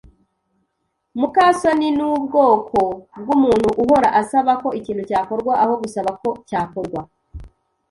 muka soni nubwoko bwumuntu uhora asaba ko ikintu cyakorwa aho gusaba ko cyakorwa.